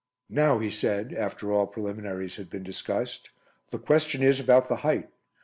"Now," he said, after all preliminaries had been discussed, "the question is about the height.